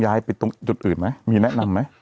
ย้ายปิดตรงจุดอื่นมั้ยมีแนะนำมั้ย